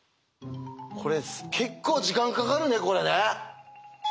これ結構時間かかるねこれね。